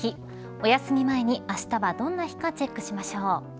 おやすみ前にあしたはどんな日かチェックしましょう。